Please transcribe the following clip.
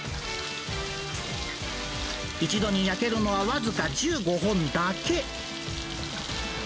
一度に焼けるのは僅か１５本だけ。